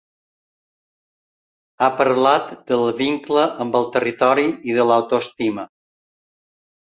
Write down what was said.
Ha parlat del vincle amb el territori i de l’autoestima.